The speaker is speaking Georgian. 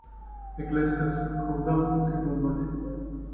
ეკლესიას ჰქონდა ხუთი გუმბათი.